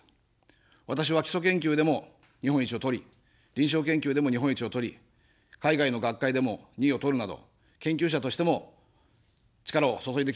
私は基礎研究でも日本一をとり、臨床研究でも日本一をとり、海外の学会でも２位をとるなど研究者としても力を注いできました。